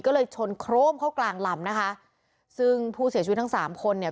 ก็เลยชนโครมเข้ากลางลำนะคะซึ่งผู้เสียชีวิตทั้งสามคนเนี่ย